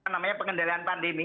namanya pengendalian pandemi